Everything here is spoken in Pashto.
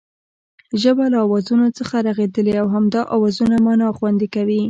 ژبه له آوازونو څخه رغېدلې او همدا آوازونه مانا خوندي کوي